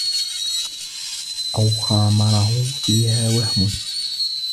أَوْ خَامَرَهُ فِيهَا وَهْمٌ